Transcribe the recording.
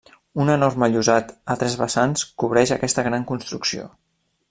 Un enorme llosat a tres vessants cobreix aquesta gran construcció.